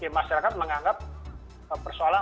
masyarakat menganggap persoalan